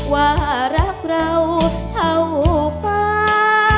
ว่ารักเราเท่าฟ้า